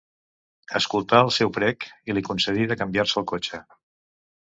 Escoltà el seu prec i li concedí de canviar-se el cotxe.